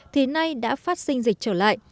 thí nay đã phát sinh dịch trở lại